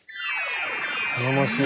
頼もしい。